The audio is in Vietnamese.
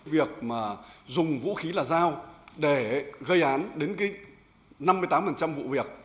việc mà dùng vũ khí là dao để gây án đến năm mươi tám vụ việc